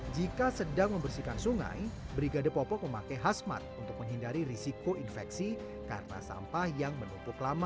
jika sedang membersihkan sungai brigade popok memakai hasmat untuk menghindari risiko infeksi karena sampah yang menumpuk lama